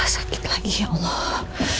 sakit lagi ya allah